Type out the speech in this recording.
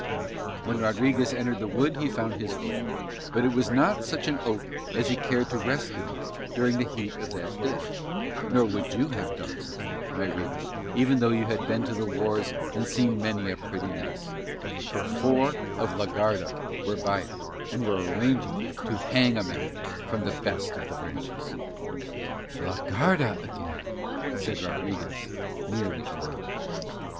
When Rodriguez entered the wood he found his oak, but it was not such an oak as he cared to rest beneath during the heat of the day, nor would you have done so, my reader, even though you have been to the wars and seen many a pretty mess; for four of la Garda were by it and were arranging to hang a man from the best of the branches. "La Garda again," said Rodriguez nearly aloud.